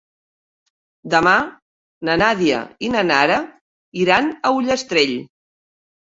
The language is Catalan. Demà na Nàdia i na Nara iran a Ullastrell.